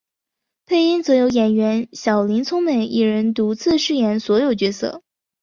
配音则由演员小林聪美一人独自饰演所有角色。